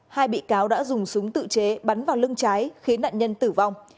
hai bị cáo đã dùng súng tự chế bắn vào lưng trái khiến nạn nhân tử vong